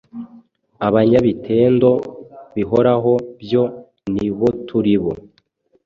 Abanyabitendo bihoraho byo niboturibo